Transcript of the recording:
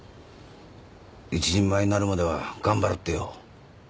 一人前になるまでは頑張るってよ。